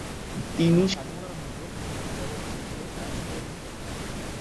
তিনি সাধারণত হিন্দি চলচ্চিত্রে কাজ করে থাকেন।